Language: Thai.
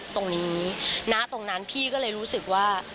ตรงนี้ณตรงนั้นพี่ก็เลยรู้สึกว่า